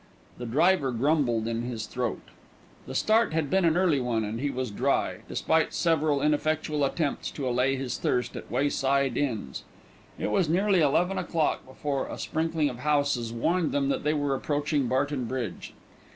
The driver grumbled in his throat. The start had been an early one and he was dry, despite several ineffectual attempts to allay his thirst at wayside inns. It was nearly eleven o'clock before a sprinkling of houses warned them that they were approaching Barton Bridge.